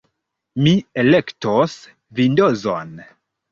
Mi elektos Vindozon.